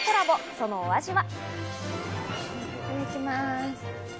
そのお味は。